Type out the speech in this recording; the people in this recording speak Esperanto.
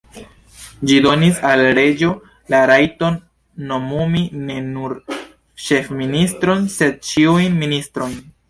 Ĝi donis al reĝo la rajton nomumi ne nur ĉefministron, sed ĉiujn ministrojn.